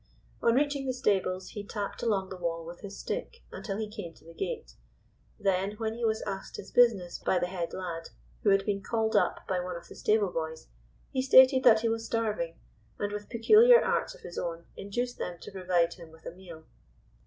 On reaching the stables he tapped along the wall with his stick, until he came to the gate. Then, when he was asked his business by the head lad, who had been called up by one of the stable boys he stated that he was starving, and, with peculiar arts of his own induced them to provide him with a meal.